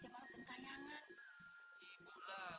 arwah arwah sedemaruh pentayangan